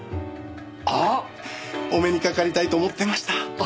あっ！お目にかかりたいと思ってました。